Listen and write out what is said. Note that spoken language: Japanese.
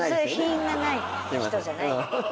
品がない人じゃない。